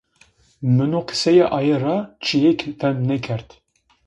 Mi no qiseyê aye ra çîyêk fehm nêkerd